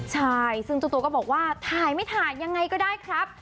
ใช่ซึ่งเจ้าตัวก็บอกว่าถ่ายไม่ถ่ายยังไงก็ได้ครับ